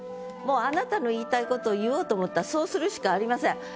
もうあなたの言いたいことを言おうと思ったらそうするしかありません。